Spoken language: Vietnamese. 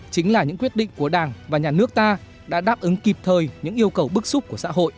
chính là những quyết định của đảng và nhà nước ta đã đáp ứng kịp thời những yêu cầu bức xúc của xã hội